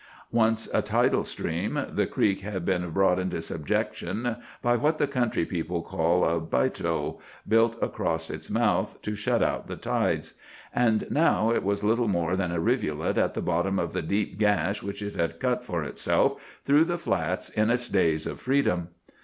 Once a tidal stream, the creek had been brought into subjection by what the country people call a 'bito,' built across its mouth to shut out the tides; and now it was little more than a rivulet at the bottom of the deep gash which it had cut for itself through the flats in its days of freedom.